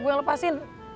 gue yang lepasin